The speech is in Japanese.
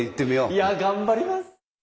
いやぁ頑張ります。